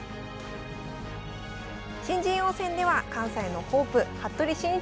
新人王戦では関西のホープ服部慎一郎五段が初優勝。